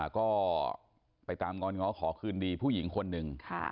ก็ไปตามงอนง้อขอคืนดีผู้หญิงคนหนึ่ง